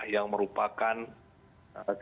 yang merupakan kas